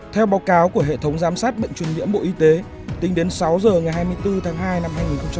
theo báo cáo của hệ thống giám sát bệnh truyền nhiễm bộ y tế tính đến sáu giờ ngày hai mươi bốn tháng hai năm hai nghìn hai mươi